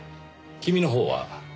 君のほうは？